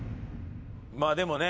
まあでもね